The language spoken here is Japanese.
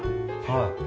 はい。